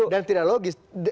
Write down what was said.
dan tidak logis